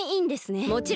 もちろんだ！